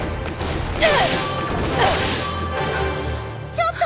ちょっと！